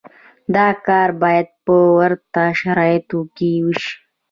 دا کار باید په ورته شرایطو کې وشي.